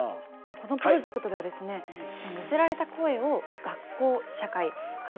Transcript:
このプロジェクトではですね寄せられた声を「学校」「社会」「家族」「心」と分類。